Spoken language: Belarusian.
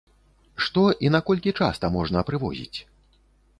Што і наколькі часта можна прывозіць?